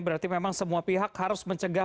berarti memang semua pihak harus mencegah